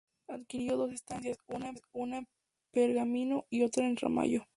Adquirió dos estancias, una en Pergamino y otra en Ramallo.